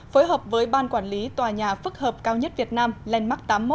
phối hợp với ban quản lý tòa nhà phức hợp cao nhất việt nam landmark tám mươi một